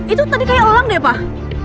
itu tadi kayak lelang deh pak